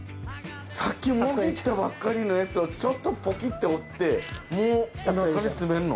さっきもぎったばっかりのやつをちょっとポキッて折ってもうおなかに詰めんの？